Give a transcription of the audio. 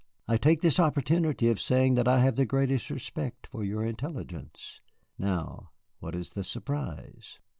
I take this opportunity of saying that I have the greatest respect for your intelligence. Now what is the surprise?"